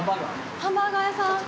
ハンバーガー屋さん。